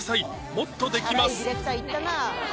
もっとできます